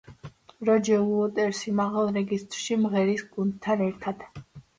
როჯერ უოტერსი მაღალ რეგისტრში მღერის, გუნდთან ერთად.